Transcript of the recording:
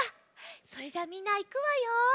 それじゃあみんないくわよ。